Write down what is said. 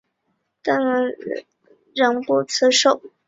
邓弘的哥哥邓骘等人仍辞不受。